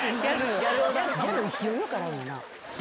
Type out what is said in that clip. ギャル勢いよく洗うねんな。